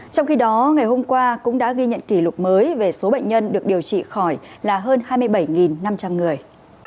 trong khi đó ngày hôm qua cũng đã ghi nhận kỷ lục mới về số bệnh nhân được điều trị khỏi là hơn hai mươi bảy năm trăm linh người